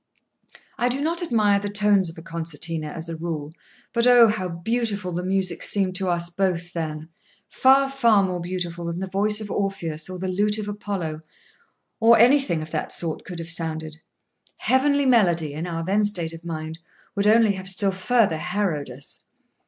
I do not admire the tones of a concertina, as a rule; but, oh! how beautiful the music seemed to us both then—far, far more beautiful than the voice of Orpheus or the lute of Apollo, or anything of that sort could have sounded. Heavenly melody, in our then state of mind, would only have still further harrowed us.